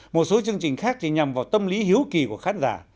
một số chương trình khác thì nhằm vào tâm lý hiếu kỳ của khán giả